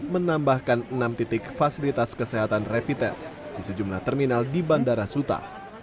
menambahkan enam titik fasilitas kesehatan rapid test di sejumlah terminal di bandara suta